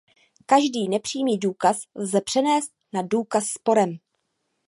Každý nepřímý důkaz lze převést na důkaz sporem.